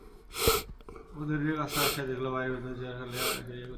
অপু দেউড়ির কাছটায় আসিয়া দেখিল বাড়ির ছেলেরা চেয়ার-গাড়িটা ঠেলিয়া খেলিতেছে।